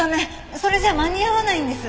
それじゃ間に合わないんです。